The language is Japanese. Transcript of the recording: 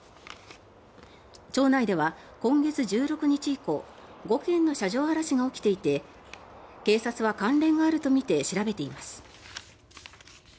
町内では今月１６日以降５件の車上荒らしが起きていて警察は関連があるとみて調べています。